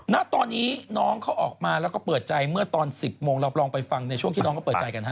ณตอนนี้น้องเขาออกมาแล้วก็เปิดใจเมื่อตอน๑๐โมงเราลองไปฟังในช่วงที่น้องเขาเปิดใจกันฮะ